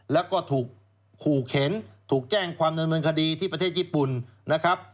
แล้วก็ถูกขู่เข็นถูกแจ้งความดำเนินคดีที่ประเทศญี่ปุ่นนะครับ